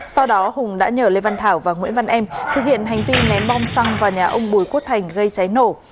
sau đó hùng đã nhờ lê văn thảo và nguyễn văn em thực hiện hành vi ném bom xăng vào nhà ông bùi quốc thành gây cháy nổ